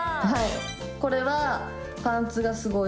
はい。